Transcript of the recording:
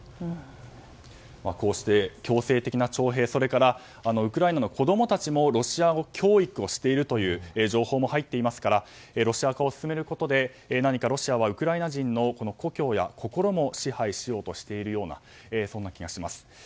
こうして強制的な徴兵、そしてウクライナの子供たちもロシア教育をしているという情報も入っていますからロシア化を進めることで何かロシアはウクライナ人の故郷や心も支配しようとしているようなそんな気がします。